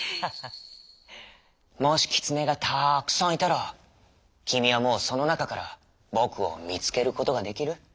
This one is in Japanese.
「もしキツネがたくさんいたらきみはもうそのなかから『ぼく』をみつけることができる？」。